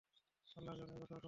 আল্লাহর জন্যেই সমস্ত প্রশংসা।